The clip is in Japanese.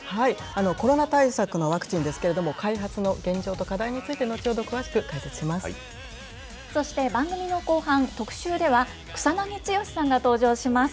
コロナ対策のワクチンですけれども、開発の現状と課題についそして、番組の後半、特集では、草なぎ剛さんが登場します。